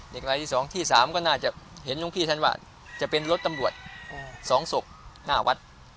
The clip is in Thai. รายที่๒ที่๓ก็น่าจะเห็นหลวงพี่ท่านว่าจะเป็นรถตำรวจ๒ศพหน้าวัด